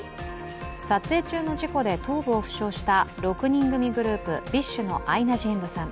撮影中の事故で頭部を負傷した６人グループＢｉＳＨのアイナ・ジ・エンドさん。